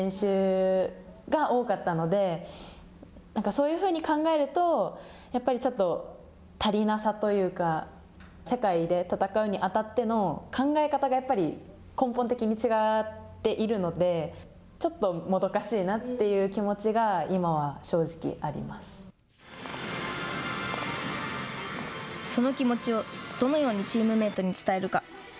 そういうふうに考えるとやっぱりちょっと足りなさというか世界で戦うにあたっての考え方がやっぱり根本的に違っているのでちょっともどかしいなという気持ちがその気持ちをどのようにチームメートに伝えるか。